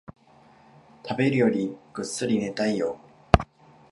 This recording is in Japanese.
食べるよりぐっすり寝たいよ